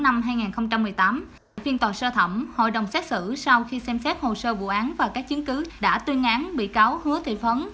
tại phiên tòa sơ thẩm hội đồng xét xử sau khi xem xét hồ sơ vụ án và các chứng cứ đã tuyên án bị cáo hứa thị phấn